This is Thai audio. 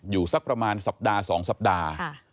สักประมาณสัปดาห์๒สัปดาห์